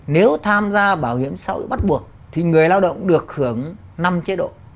nếu tham gia bảo hiểm xã hội bắt buộc thì người lao động được hưởng năm chế độ